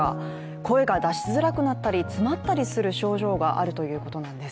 声が出しづらくなったり詰まったりする症状があるということなんです。